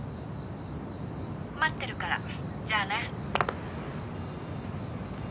☎待ってるからじゃあね。